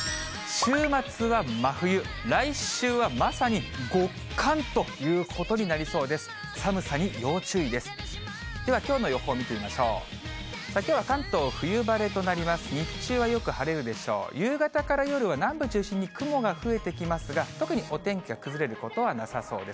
週末は真冬、来週はまさに極寒ということになりそうです。